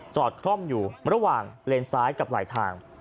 คล่อมอยู่ระหว่างเลนซ้ายกับหลายทาง